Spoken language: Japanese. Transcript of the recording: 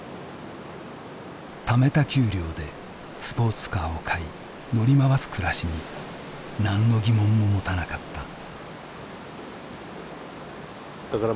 ためた給料でスポーツカーを買い乗り回す暮らしに何の疑問も持たなかった。